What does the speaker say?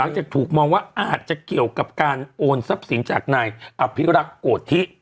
จะถูกมองว่าอาจจะเกี่ยวกับการโอนทรัพย์สินจากนายอภิรักษ์โกธิ